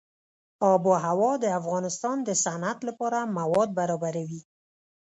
آب وهوا د افغانستان د صنعت لپاره مواد برابروي.